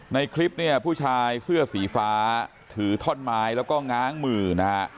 ในคลิปเนี่ยผู้ชายเสื้อสีฟ้าถือท่อนไม้แล้วก็ง้างมือนะฮะ